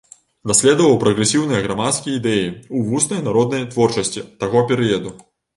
Даследаваў прагрэсіўныя грамадскія ідэі ў вуснай народнай творчасці таго перыяду.